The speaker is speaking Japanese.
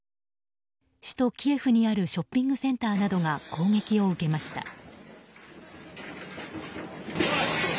首都キエフにあるショッピングセンターなどが攻撃を受けました。